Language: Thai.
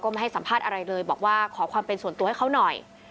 เขาฮากที่เมืองเวรี่ได้